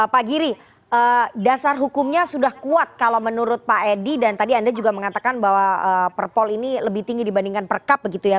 pak giri dasar hukumnya sudah kuat kalau menurut pak edi dan tadi anda juga mengatakan bahwa perpol ini lebih tinggi dibandingkan perkap begitu ya